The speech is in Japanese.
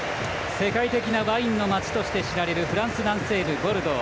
世界的なワインの町として知られるフランス南西部ボルドー。